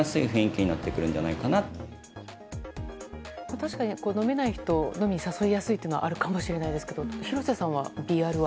確かに、飲めない人を飲みに誘いやすいというのはあるかもしれないですけど廣瀬さんは、微アルは？